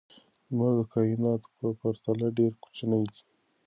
لمر د کائناتو په پرتله ډېر کوچنی دی.